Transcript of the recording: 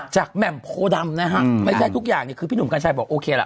แหม่มโพดำนะฮะไม่ใช่ทุกอย่างเนี่ยคือพี่หนุ่มกัญชัยบอกโอเคล่ะ